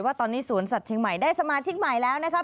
ว่าตอนนี้สวนสัตว์เชียงใหม่ได้สมาชิกใหม่แล้วนะครับ